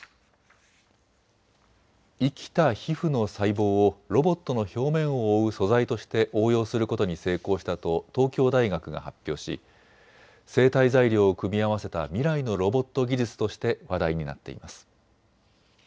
生きた皮膚の細胞をロボットの表面を覆う素材として応用することに成功したと東京大学が発表し生体材料を組み合わせた未来のロボット技術として話題になっています。